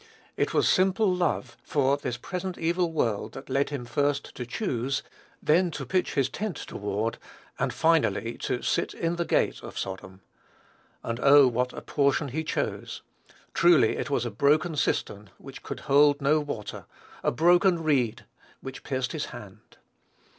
It was simple love for this present evil world that led him first to "choose," then to "pitch his tent toward," and finally, to "sit in the gate of Sodom." And, oh! what a portion he chose. Truly it was a broken cistern which could hold no water, a broken reed which pierced his hand.